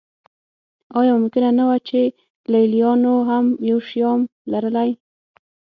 آیا ممکنه نه وه چې لېلیانو هم یو شیام لرلی